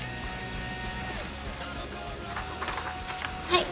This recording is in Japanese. はい。